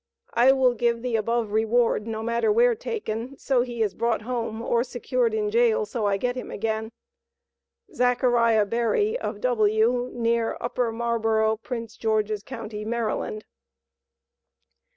I will give the above reward, no matter where taken, so he is brought home or secured in jail so I get him again. ZACHARIAH BERRY, of W., near Upper Marlboro', Prince George's county, Md.